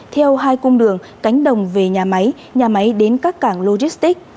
theo hai cung đường cánh đồng về nhà máy nhà máy đến các cảng logistic